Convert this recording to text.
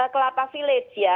kelapa village ya